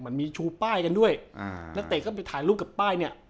มีชูป้ายกันด้วยอ่านักเตะก็ไปถ่ายรูปกับป้ายเนี่ย